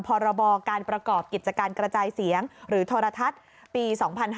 พรบการประกอบกิจการกระจายเสียงหรือโทรทัศน์ปี๒๕๕๙